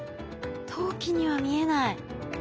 陶器には見えない。